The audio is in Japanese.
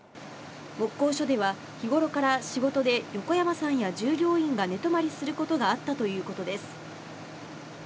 木工所では、日頃から仕事で横山さんや従業員が寝泊まりすることがあったということです。